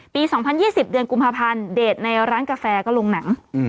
๒๐๒๐เดือนกุมภาพันธ์เดทในร้านกาแฟก็ลงหนัง